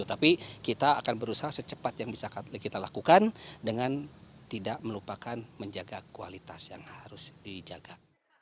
tapi kita akan berusaha secepat yang bisa kita lakukan dengan tidak melupakan menjaga kualitas yang harus dijaga